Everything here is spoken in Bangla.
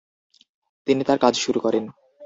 তিনি তার কাজ শুরু করেন।